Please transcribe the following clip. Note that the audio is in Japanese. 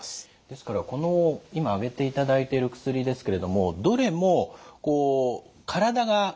ですからこの今挙げていただいてる薬ですけれどもどれもこう体が薬に慣れてしまう。